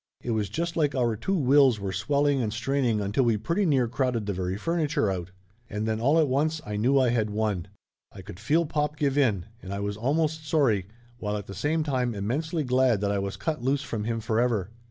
It was just like our two wills were swelling and straining until we pretty near crowded the very furniture out. And then all at once I knew I had won. I could feel pop give in, and I was almost sorry, while at the same time immensely glad that I was cut loose from him for ever.